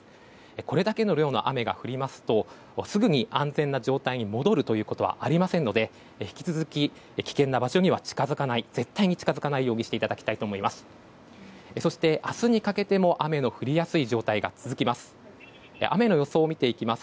これだけの量の雨が降りますとすぐに安全な状態に戻るということはありませんので引き続き、危険な場所には絶対に近づかないようにしていただきたいと思います。